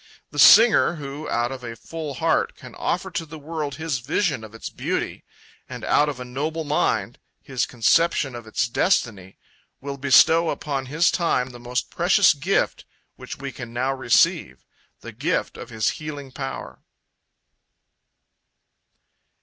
The singer who, out of a full heart, can offer to the world his vision of its beauty, and out of a noble mind, his conception of its destiny, will bestow upon his time the most precious gift which we can now receive, the gift of his healing power.